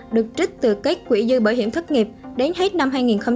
được trích từ các quỹ dư bảo hiểm thất nghiệp đến hết năm hai nghìn hai mươi